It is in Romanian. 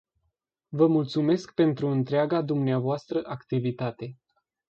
Vă mulțumesc pentru întreaga dvs. activitate.